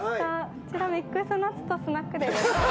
こちらミックスナッツとスナックでございます。